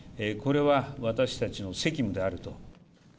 これは私たちの責務であると。